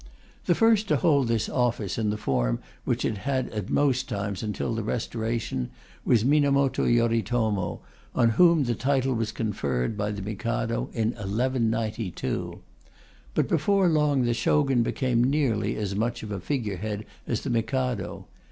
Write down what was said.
The first to hold this office in the form which it had at most times until the Restoration was Minamoto Yoritomo, on whom the title was conferred by the Mikado in 1192. But before long the Shogun became nearly as much of a figure head as the Mikado.